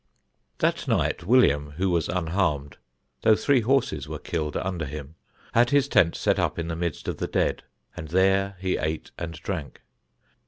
That night, William, who was unharmed, though three horses were killed under him, had his tent set up in the midst of the dead, and there he ate and drank.